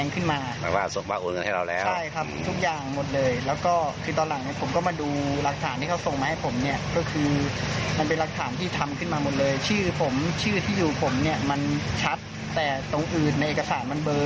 เขายังทำขึ้นมาหมดเลยชื่อที่อยู่ผมเนี่ยมันชัดแต่ตรงอื่นในเอกสารมันเบอร์